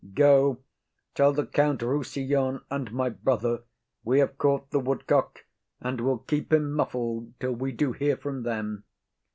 Go tell the Count Rossillon and my brother We have caught the woodcock, and will keep him muffled Till we do hear from them.